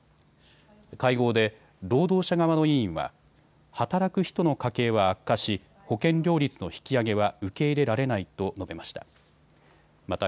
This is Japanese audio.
会合で労働者側の委員は働く人の家計は悪化し保険料率の引き上げは受け入れられないと述べました。